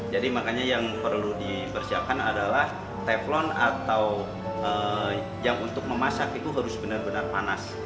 jadi makanya yang perlu di persiapkan adalah teflon atau yang untuk memasak itu harus benar benar panas